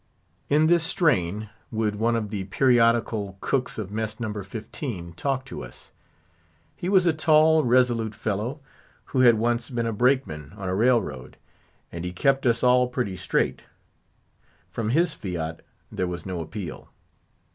In this strain would one of the periodical cooks of mess No. 15 talk to us. He was a tall, resolute fellow, who had once been a brakeman on a railroad, and he kept us all pretty straight; from his fiat there was no appeal.